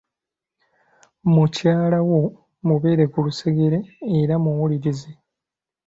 Mukyalawo mubeere ku lusegere era muwulirize.